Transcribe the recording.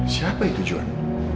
siapa itu juan